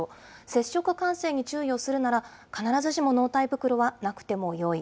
接触感染に注意をするなら、必ずしも納体袋はなくてもよい。